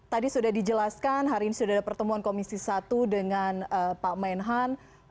tadi sudah dijelaskan hari ini sudah ada pertemuan komisi satu dengan pak menhan